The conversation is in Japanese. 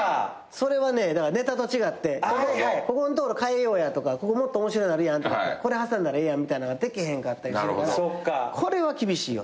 それはネタと違ってここんところ変えようやとかもっと面白いのあるやんこれ挟んだらええやんみたいなのができへんかったりするからこれは厳しいよ。